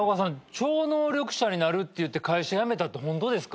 超能力者になるって言って会社辞めたってホントですか？